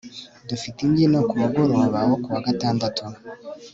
Dufite imbyino kumugoroba wo kuwa gatandatu